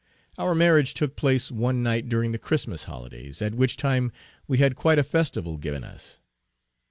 Our marriage took place one night during the Christmas holydays; at which time we had quite a festival given us.